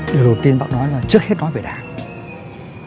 điều đầu tiên bác nói là trước hết nói về đảng